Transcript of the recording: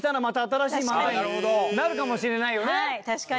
はい確かに。